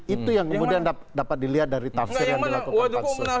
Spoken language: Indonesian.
itu yang kemudian dapat dilihat dari tafsir yang dilakukan pansus